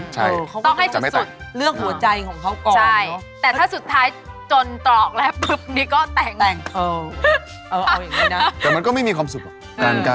ถ้ามันไม่ได้อะไรมากจะไม่ฟัง